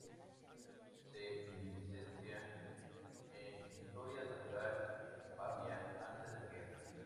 Se licencia en Historia natural en Pavia, antes de la guerra.